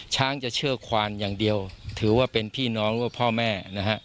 ช้างจะเชื่อควานอย่างเดียวถือว่าเป็นพี่น้องหรือว่าพ่อแม่นะฮะ